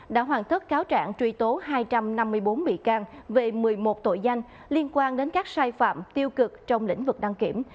đã hoàn thất cáo trạng truy tố hai trăm năm mươi bốn bị can về một mươi một tội danh liên quan đến các sai phạm tiêu cực trong lĩnh vực đăng kiểm